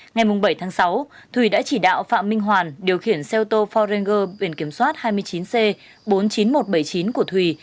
ngày bảy tháng sáu thùy đã chỉ đạo phạm minh hoàn điều khiển xe ô tô forrenger biển kiểm soát hai mươi chín c bốn mươi chín nghìn một trăm bảy mươi chín của thùy